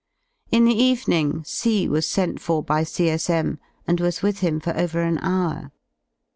In the evening C was sent Tor by C.S.M. and was with him for over an hour.